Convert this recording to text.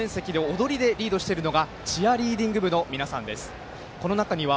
踊りでリードしているのがチアリーディング部の皆さんです。